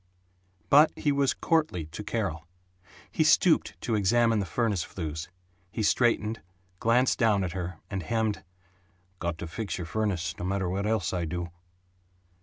But he was courtly to Carol. He stooped to examine the furnace flues; he straightened, glanced down at her, and hemmed, "Got to fix your furnace, no matter what else I do."